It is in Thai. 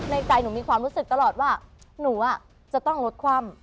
ในใจหนูมีความรู้สึกตลอดว่าหนูจะต้องรถคว่ำ